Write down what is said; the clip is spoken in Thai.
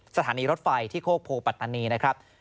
สถานีรถไฟที่โคกโพปัตตานีนะครับ